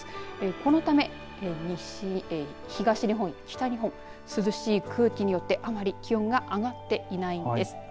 このため東日本、北日本涼しい空気によってあまり気温が上がっていないんです。